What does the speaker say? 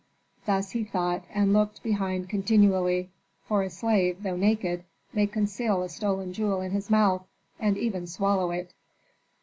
Thus he thought and looked behind continually, for a slave, though naked, may conceal a stolen jewel in his mouth, and even swallow it.